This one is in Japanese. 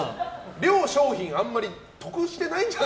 両商品あんまり得してないんじゃ？